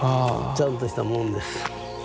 ちゃんとしたもんです。